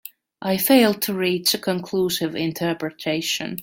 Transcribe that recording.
I failed to reach a conclusive interpretation.